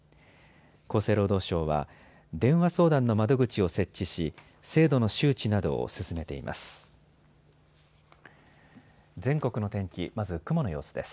厚生労働省は電話相談の窓口を設置し制度の周知などを進めています。